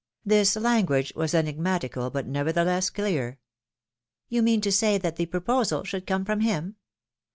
This language was enigmatical but nevertheless clear. You mean to say that the proposal should come from him?